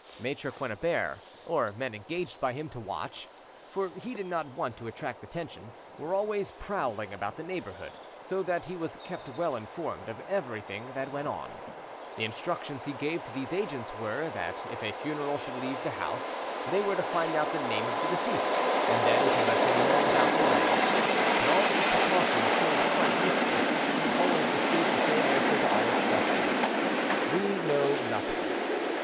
Maitre Quennebert, or men engaged by him to watch, for he did not want to attract attention, were always prowling about the neighbourhood, so that he was kept well informed of everything that went on: The instructions he gave to these agents were, that if a funeral should leave the house, they were to find out the name of the deceased, and then to let him know without delay. But all these precautions seemed quite useless: he always received the same answer to all his questions, "We know nothing."